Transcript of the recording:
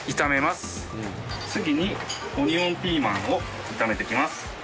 次にオニオンピーマンを炒めていきます。